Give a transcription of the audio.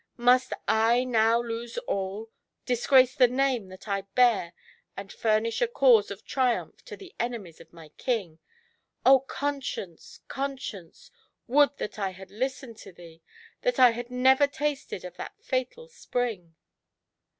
Must I now lose all, disgrace the name that I bear, and furnish a cause of triumph to the enemies of my King ! Oh, Conscience ! Conscience ! would that I had listened to thee, that I had never tasted of that fatal spring